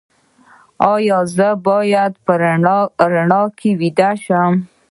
ایا زه باید په رڼا کې ویده شم؟